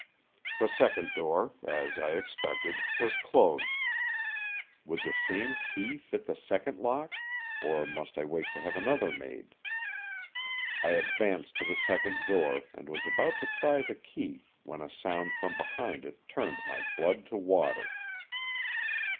The second door, as I expected, was closed. Would the same key fit the second lock, or must I wait to have another made? I advanced to the second door and was about to try the key when a sound from behind it turned my blood to water.